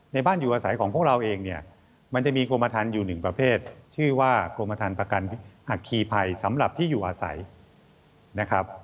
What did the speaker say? บ้านอยู่อาศัยของพวกเราเองเนี่ยมันจะมีกรมฐานอยู่หนึ่งประเภทชื่อว่ากรมฐานประกันอัคคีภัยสำหรับที่อยู่อาศัยนะครับ